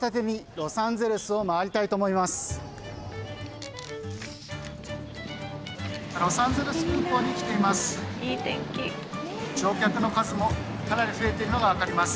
ロサンゼルス空港に来ています。